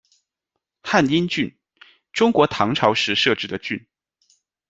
汉阴郡，中国唐朝时设置的郡。